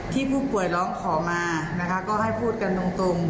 ที่ผู้ป่วยร้องขอมานะคะก็ให้พูดกันตรง